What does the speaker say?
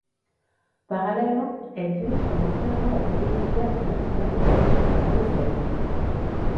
Parallèlement, elle dirige pendant quinze ans l'atelier du Théâtre national de Belgique à Bruxelles.